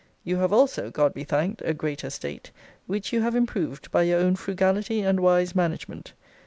You have also, God be thanked, a great estate, which you have improved by your own frugality and wise management.